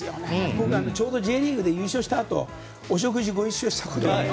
僕ちょうどＪリーグで優勝したあとお食事ご一緒したことがあって。